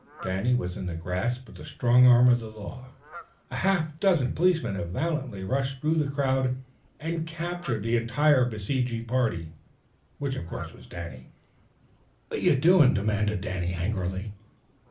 Danny was in the grasp of the strong arm of the law. A half dozen policemen had valiantly rushed through the crowd and captured the entire besieging party, which was Danny. "What you doin'?" demanded Danny angrily.